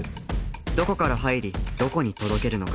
どこから入りどこに届けるのか。